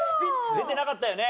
出てなかったよね？